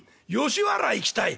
吉原行きたい？